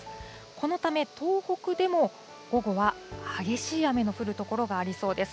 このため、東北でも午後は激しい雨の降る所がありそうです。